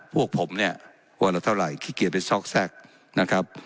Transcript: พวกผมเนี่ยวันละเท่าไหร่ขี้เกียจไปซอกแทรกนะครับ